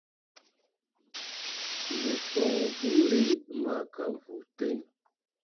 Me fon buuri ma ka vuu ten.